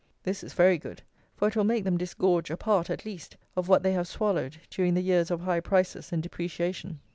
This is very good; for it will make them disgorge a part, at least, of what they have swallowed, during the years of high prices and depreciation.